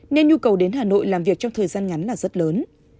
nên nhu cầu đến hà nội làm việc trong thời gian ngắn là rất lớn